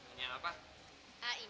enggak kalau lo udah berhasil